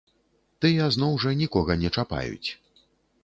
Тыя, зноў жа, нікога не чапаюць.